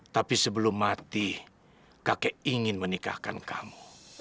tapi sebelum mati kakek ingin menikahkan kamu